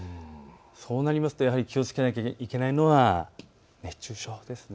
そうなりますとやはり気をつけなければいけないのは熱中症ですね。